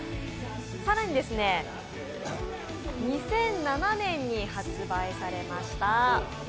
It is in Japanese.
更に、２００７年に発売されました